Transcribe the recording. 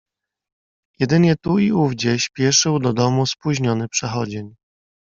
"Jedynie tu i ówdzie śpieszył do domu spóźniony przechodzień."